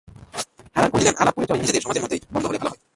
হারান কহিলেন, আলাপ-পরিচয় নিজেদের সমাজের মধ্যেই বদ্ধ হলে ভালো হয়।